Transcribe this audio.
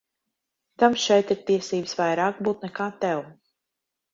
Tam šeit ir tiesības vairāk būt nekā tev.